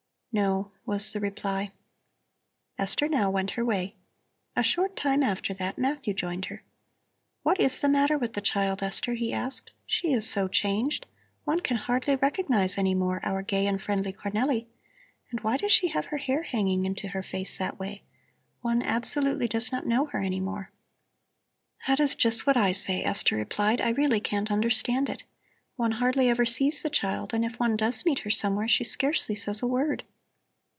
"No," was the reply. Esther now went her ways. A short time after that Matthew joined her. "What is the matter with the child, Esther," he asked. "She is so changed! One can hardly recognize any more our gay and friendly Cornelli. And why does she have her hair hanging into her face that way? One absolutely does not know her any more." "That is just what I say," Esther replied. "I really can't understand it. One hardly ever sees the child, and if one does meet her somewhere, she scarcely says a word.